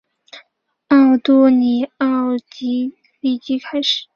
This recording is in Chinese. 奥多尼奥立即开始兴兵以协助他的父亲声讨王位。